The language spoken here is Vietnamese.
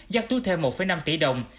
giác túi thêm một năm tỷ đồng